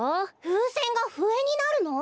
ふうせんがふえになるの？